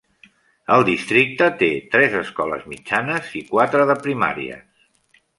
El districte té tres escoles mitjanes i quatre de primàries.